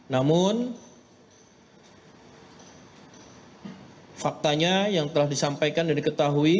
namun faktanya yang telah disampaikan dan diketahui